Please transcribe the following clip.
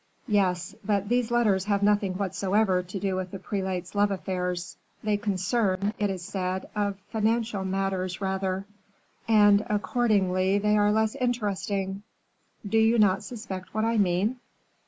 "Yes, but these letters have nothing whatever to do with the prelate's love affairs. They concern, it is said, financial matters rather." "And accordingly they are less interesting." "Do you not suspect what I mean?"